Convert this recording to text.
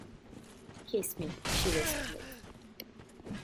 “Kiss me,” she whispered.